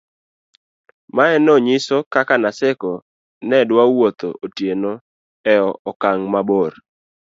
mae no niyiso kaka Naseko nedo wuotho otieno e okang' mabor